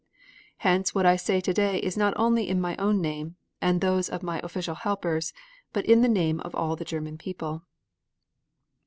Hence what I say today is not only in my own name, and those of my official helpers, but in the name of the German people.